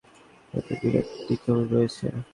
পরিবেশ দূষণমুক্ত রাখার ব্যাপারে এতে বিরাট হিকমত রয়েছে।